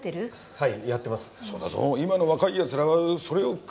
はい。